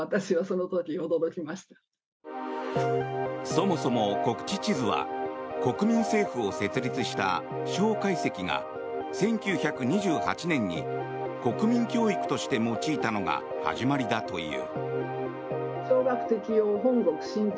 そもそも国恥地図は国民政府を設立した蒋介石が１９２８年に国民教育として用いたのが始まりだという。